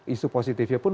isu positifnya pun